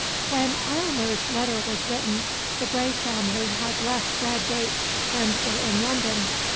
When Aylmer's letter was written, the Grey family had left Bradgate and were in London.